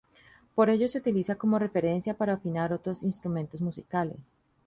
Por ello se utiliza como referencia para afinar otros instrumentos musicales.